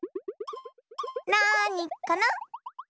なにかな？